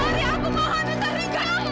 otari aku mohon otari jangan